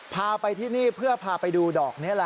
พาไปที่นี่เพื่อพาไปดูดอกนี้